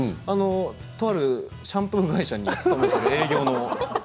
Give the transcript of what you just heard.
とあるシャンプー会社に勤めている営業の。